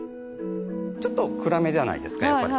ちょっと暗めじゃないですかやっぱり。